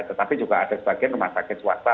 tetapi juga ada sebagian rumah sakit swasta